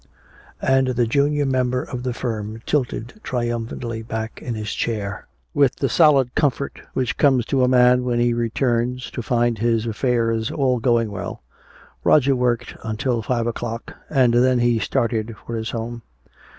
And the junior member of the firm tilted triumphantly back in his chair. With the solid comfort which comes to a man when he returns to find his affairs all going well, Roger worked on until five o'clock, and then he started for his home.